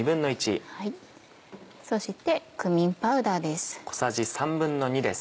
そしてクミンパウダーです。